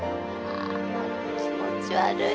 あ気持ち悪い。